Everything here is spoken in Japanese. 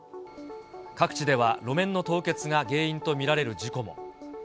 各地では路面の凍結が原因と見られる事故も。